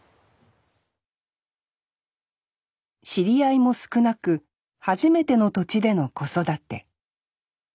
知り合いも少なく初めての土地での子育て。